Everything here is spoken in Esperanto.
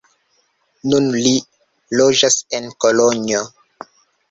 Nun li loĝas en Kolonjo.